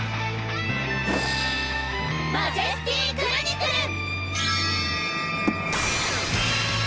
マジェスティクルニクルン！